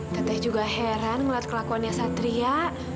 teteh juga heran melihat kelakuannya satria